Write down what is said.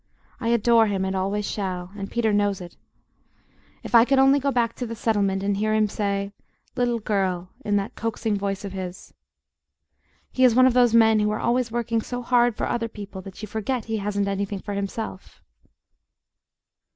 I adore him, and always shall, and Peter knows it. If I could only go back to the Settlement and hear him say, "Little girl," in that coaxing voice of his! He is one of those men who are always working so hard for other people that you forget he hasn't anything for himself.